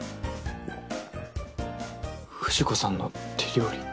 藤子さんの手料理。